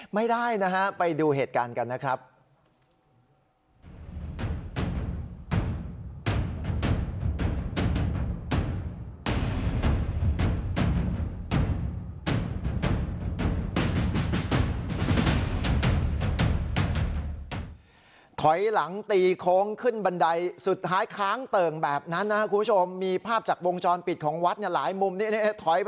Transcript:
ไม่ได้นะฮะไปดูเหตุการณ์กันนะครับ